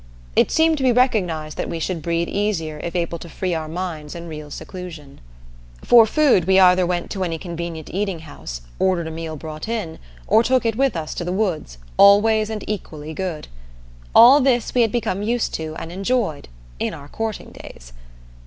It seemed to be recognized that we should breathe easier if able to free our minds in real seclusion. For food we either went to any convenient eating house, ordered a meal brought in, or took it with us to the woods, always and equally good. All this we had become used to and enjoyed in our courting days.